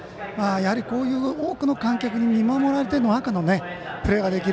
やはり、こういう多くの観客に見守られた中でのプレー。